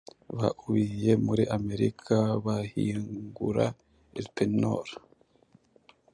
Baubiye muri Amerika bahyingura Elpenor